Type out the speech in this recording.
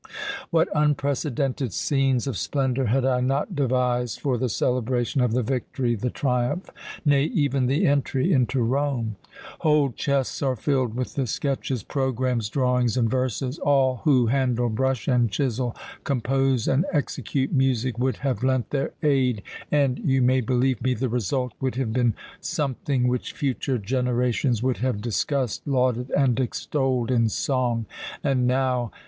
What unprecedented scenes of splendour had I not devised for the celebration of the victory, the triumph nay, even the entry into Rome! Whole chests are filled with the sketches, programmes, drawings, and verses. All who handle brush and chisel, compose and execute music, would have lent their aid, and you may believe me the result would have been something which future generations would have discussed, lauded, and extolled in song. And now now?"